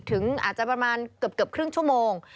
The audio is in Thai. อาจจะประมาณเกือบครึ่งชั่วโมง